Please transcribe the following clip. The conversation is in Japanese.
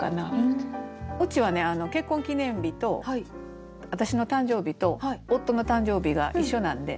うちはね結婚記念日と私の誕生日と夫の誕生日が一緒なんで。